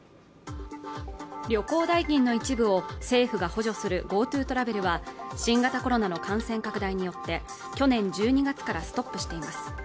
旅行代金の一部を政府が補助するＧｏＴｏトラベルは新型コロナの感染拡大によって去年１２月からストップしています